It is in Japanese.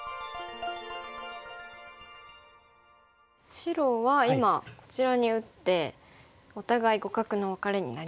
白は今こちらに打ってお互い互角のワカレになりましたが。